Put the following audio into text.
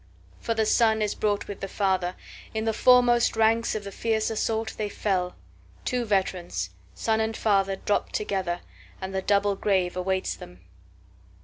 5For the son is brought with the father; In the foremost ranks of the fierce assault they fell; Two veterans, son and father, dropt together, And the double grave awaits them.